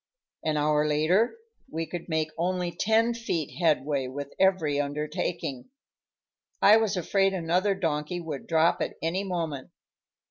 An hour later we could make only ten feet headway with every undertaking. I was afraid another donkey would drop at any moment.